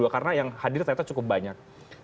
karena yang hadir ternyata cukup banyak